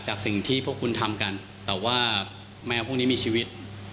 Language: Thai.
จากสิ่งที่พวกคุณทำกันแต่ว่าแมวพวกนี้มีชีวิต